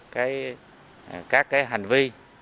các hành vi